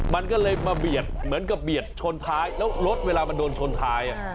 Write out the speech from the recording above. มันก็เลยมาเบียดเหมือนกับเบียดชนท้ายแล้วรถเวลามันโดนชนท้าย